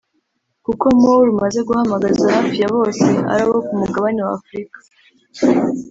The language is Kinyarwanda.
kuko mu bo rumaze guhamagaza hafi ya bose ari abo ku mugabane w’Afurika